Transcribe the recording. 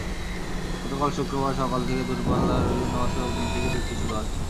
গতকাল শুক্রবার সকাল থেকে দূরপাল্লার বিভিন্ন বাসের অগ্রিম টিকিট বিক্রি শুরু হয়।